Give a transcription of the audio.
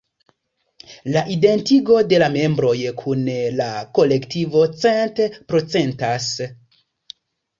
La identigo de la membroj kun la kolektivo cent-procentas.